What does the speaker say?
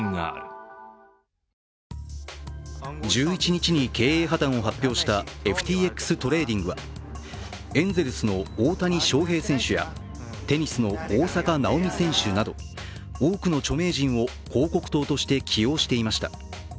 １１日に経営破綻を発表したＦＴＸトレーディングはエンゼルスの大谷翔平選手やテニスの大坂なおみ選手など多くの著名人を広告塔として起用していました。